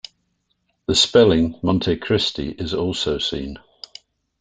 The spelling Montecristi is also seen.